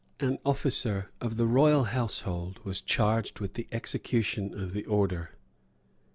An officer of the royal household was charged with the execution of the order.